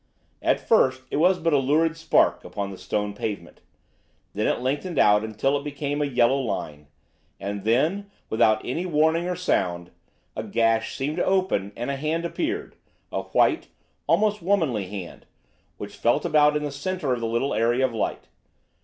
At first it was but a lurid spark upon the stone pavement. Then it lengthened out until it became a yellow line, and then, without any warning or sound, a gash seemed to open and a hand appeared, a white, almost womanly hand, which felt about in the centre of the little area of light.